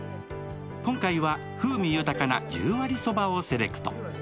今回は風味豊かな十割そばをセレクト。